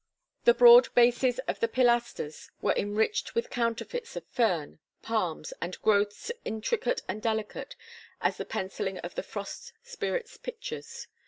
"The broad bases of the pilasters were enriched with counterfeits of fern, palms, and growths intricate and delicate as the penciling of the frost spirit's pictures.